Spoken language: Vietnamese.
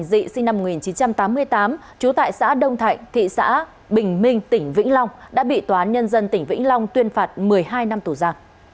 dự sinh năm một nghìn chín trăm tám mươi tám trú tại xã đông thạnh thị xã bình minh tỉnh vĩnh long đã bị tòa án nhân dân tỉnh vĩnh long tuyên phạt một mươi hai năm tù ra